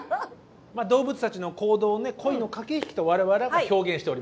まあ動物たちの行動をね恋の駆け引きと我々は表現しておりますけども。